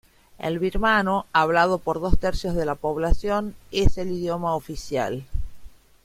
El birmano, hablado por dos tercios de la población, es el idioma oficial.